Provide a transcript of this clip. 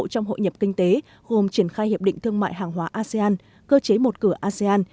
trong hội nhập kinh tế gồm triển khai hiệp định thương mại hàng hóa asean cơ chế một cửa asean